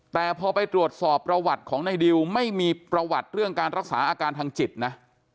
แต่พอไปตรวจสอบประวัติของในดิวไม่มีประวัติเรื่องการรักษาอาการทางจิตนะ